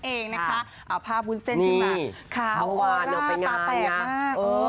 เอาภาพวุ้นเส้นเข้าไปวานตาแตกมาก